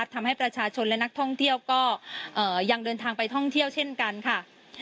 ทำให้ประชาชนและนักท่องเที่ยวก็ยังเดินทางไปท่องเที่ยวเช่นกันค่ะ